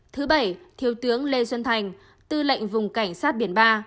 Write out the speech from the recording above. thứ bảy thiếu tướng lê xuân thành tư lệnh vùng cảnh sát biển ba